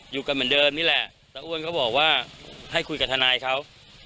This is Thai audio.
อยู่กันเหมือนเดิมนี่แหละแล้วอ้วนก็บอกว่าให้คุยกับทนายเขา